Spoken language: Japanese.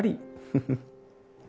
フフフッ。